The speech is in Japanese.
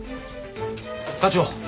課長！